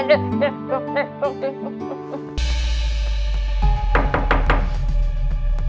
aduh abisannya nih